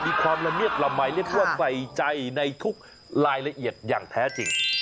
มีความละเมียดละมัยเรียกว่าใส่ใจในทุกรายละเอียดอย่างแท้จริง